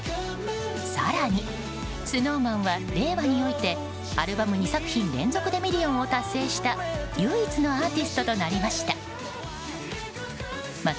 更にＳｎｏｗＭａｎは令和においてアルバム２作品連続でミリオンを達成した唯一のアーティストとなりました。